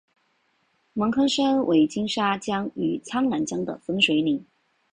芒康山为金沙江与澜沧江的分水岭。